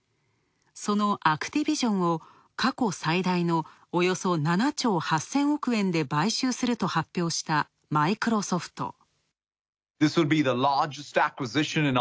そのアクティビジョンを過去最大のおよそ７兆８０００億円で買収すると発表したマイクロソフト。